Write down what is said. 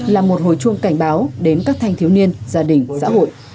là một hồi chuông cảnh báo đến các thanh thiếu niên gia đình xã hội